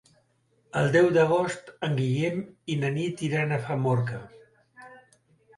El deu d'agost en Guillem i na Nit iran a Famorca.